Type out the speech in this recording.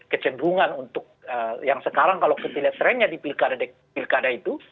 kecenderungan untuk yang sekarang kalau ketilatrennya di pilkada itu